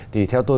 thì theo tôi